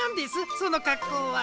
そのかっこうは。